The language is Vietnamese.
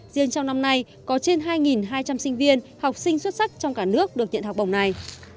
riêng trong năm nay có trên hai hai trăm linh sinh viên học sinh xuất sắc trong cả nước được nhận học bổng này